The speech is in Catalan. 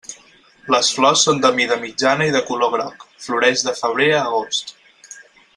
Les flors són de mida mitjana i de color groc, floreix de febrer a agost.